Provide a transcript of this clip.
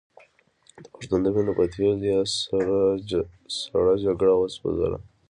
د پښتون د وینو په تېل یې سړه جګړه وسوځوله.